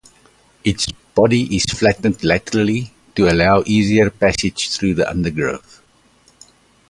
Its body is flattened laterally to allow easier passage through the undergrowth.